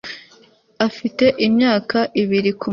afite imyaka ibiri kumurusha